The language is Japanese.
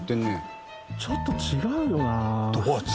ちょっと違うよな。